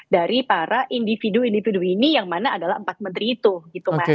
dari para individu individu ini yang mana adalah empat menteri itu gitu mas